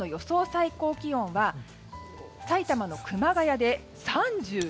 最高気温は埼玉の熊谷で３９度。